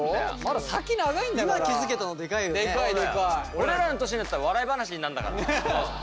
俺らの年になったら笑い話になんだから。